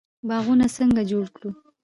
باغونه څنګه جوړ کړو؟